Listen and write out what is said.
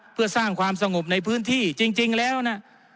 เพื่อสร้างความสงบในพื้นที่จริงแล้วนะ